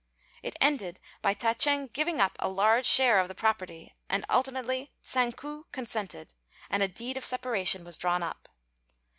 It ended by Ta ch'êng giving up a large share of the property, and ultimately Tsang ku consented, and a deed of separation was drawn up.